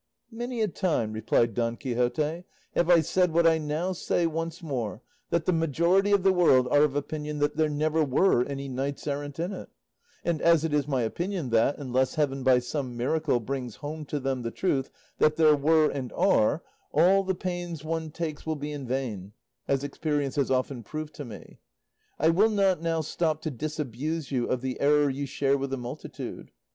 "Many a time," replied Don Quixote, "have I said what I now say once more, that the majority of the world are of opinion that there never were any knights errant in it; and as it is my opinion that, unless heaven by some miracle brings home to them the truth that there were and are, all the pains one takes will be in vain (as experience has often proved to me), I will not now stop to disabuse you of the error you share with the multitude.